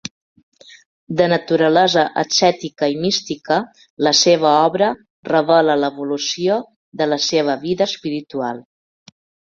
De naturalesa ascètica i mística, la seva obra revela l'evolució de la seva vida espiritual.